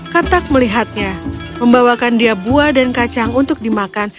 katak melihatnya membawakan dia buah dan kacang untuk dimakan